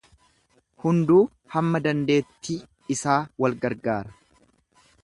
Hunduu hamma dandeetti isaa wal gargaara.